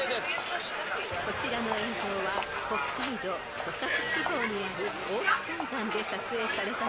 ［こちらの映像は北海道十勝地方にある大津海岸で撮影されたもの］